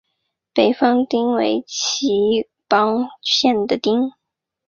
北方町为岐阜县的町。